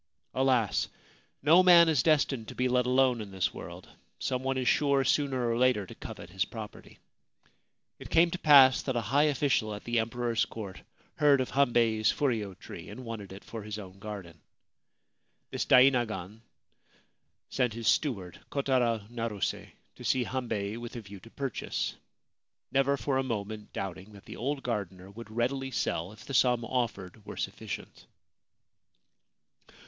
Alas ! no man is destined to be let alone in this world. Some one is sure, sooner or later, to covet his property. It came to pass that a high official at the Emperor's court heard of Hambei's furyo tree and wanted it for his own garden. This dainagon sent his steward, Kotaro Naruse, to see Hambei with a view to purchase, never for a moment doubting that the old gardener would readily sell if the sum offered were sufficient.